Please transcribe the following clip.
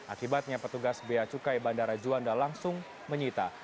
akibatnya petugas beacukai bandara juanda langsung menyita